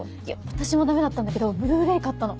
私もダメだったんだけどＢｌｕ−ｒａｙ買ったの。